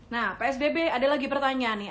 nah psbb ada lagi pertanyaan nih